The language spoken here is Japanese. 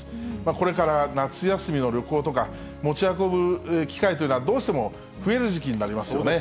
これから夏休みの旅行とか、持ち運ぶ機会というのはどうしても増える時期になりますよね。